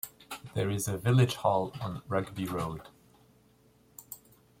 There is a village hall on Rugby Road.